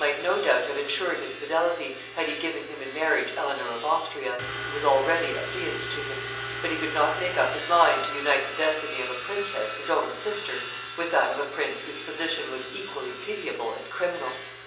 might no doubt have insured his fidelity, had he given him in marriage Eleanor of Austria, who was already affianced to him; but he could not make up his mind to unite the destiny of a princess, his own sister, with that of a prince whose position was equally pitiable and criminal.